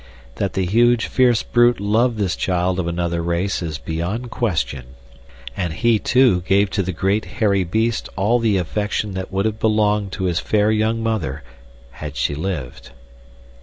That the huge, fierce brute loved this child of another race is beyond question, and he, too, gave to the great, hairy beast all the affection that would have belonged to his fair young mother had she lived.